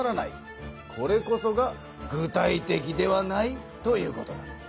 これこそが具体的ではないということだ。